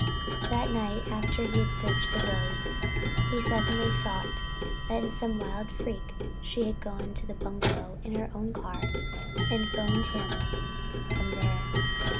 That night after he had searched the roads, he suddenly thought that in some wild freak she had gone to the bungalow in her own car and phoned him from there.